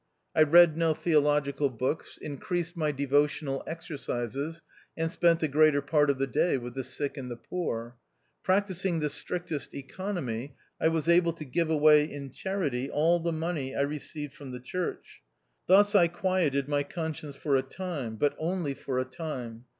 I read no theological books, increased my devotional exercises, and spent the greater part of the day with the sick and the poor. Practising the strictest economy, I was able to give away in charity all the money I received from the church. Thus I quieted my conscience for a time — but only for a time.